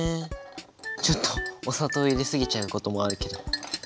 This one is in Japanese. ちょっとお砂糖入れ過ぎちゃうこともあるけど。